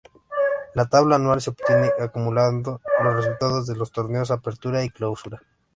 La tabla anual se obtiene acumulando los resultados de los Torneos Apertura y Clausura.